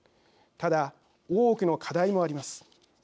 ただ、多くの課題もあります。